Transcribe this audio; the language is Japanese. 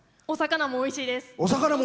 川魚もおいしいです。